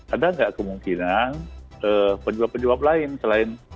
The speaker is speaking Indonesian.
ada nggak kemungkinan penyebab penyebab lain selain